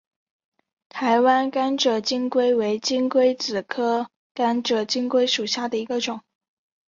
台湾甘蔗金龟为金龟子科甘蔗金龟属下的一个种。